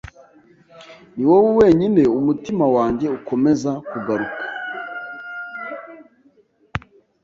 Niwowe wenyine umutima wanjye ukomeza kugaruka